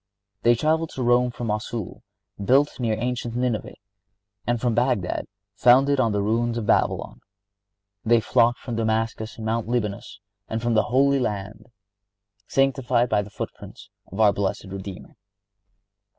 They traveled to Rome from Mossul, built near ancient Nineveh, and from Bagdad, founded on the ruins of Babylon. They flocked from Damascus and Mount Libanus and from the Holy Land, sanctified by the footprints of our blessed Redeemer.